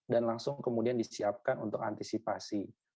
dan langsung kemudian disiapkan untuk antisipasi